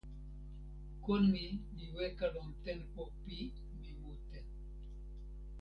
kon mi li weka lon tenpo pi mi mute.